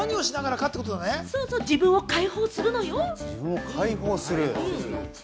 自分を解放するのよ！